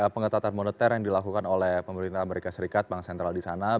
pengetatan moneter yang dilakukan oleh pemerintah amerika serikat bank sentral di sana